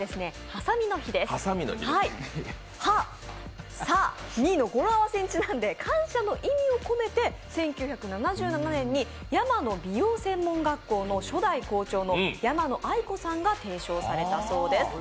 ハサミの語呂合わせにちなんで感謝の意味を込めて１９７７年に山野美容専門学校の初代校長の山野愛子さんが提唱されたようです。